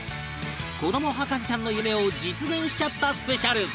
子ども博士ちゃんの夢を実現しちゃったスペシャル